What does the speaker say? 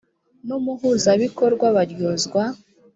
n umuhuzabikorwa baryozwa